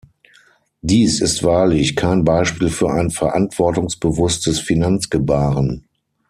Dies ist wahrlich kein Beispiel für ein verantwortungsbewusstes Finanzgebaren.